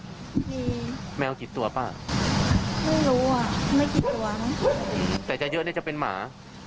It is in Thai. มีแมวกี่ตัวป้าไม่รู้อ่ะไม่กี่ตัวมั้งแต่จะเยอะเนี่ยจะเป็นหมา